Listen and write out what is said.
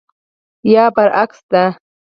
یا برعکس ده.